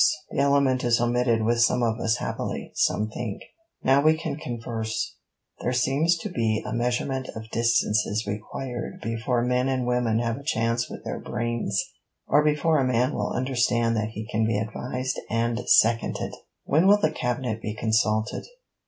The element is omitted with some of us happily, some think. Now we can converse. There seems to be a measurement of distances required before men and women have a chance with their brains: or before a man will understand that he can be advised and seconded. When will the Cabinet be consulted?'